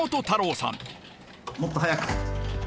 もっと速く。